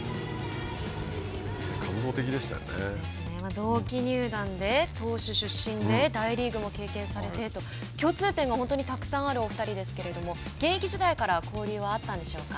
同期入団で投手出身で大リーグも経験されてと共通点がたくさんあるお二人ですけれども現役時代から交流はあったんでしょうか。